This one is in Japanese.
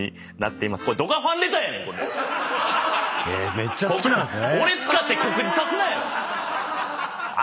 めっちゃ好きなんですね。